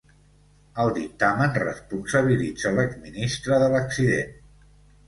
El dictamen responsabilitza l’ex-ministre de l’accident.